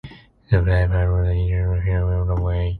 The bay is part of the Intracoastal Waterway.